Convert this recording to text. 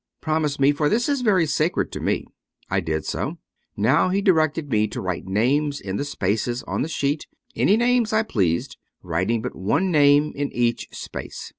Promise me, for this is very sacred to me." I did so. He now directed me to write names in the spaces on the sheet, any names I pleased, writing but one name in each space.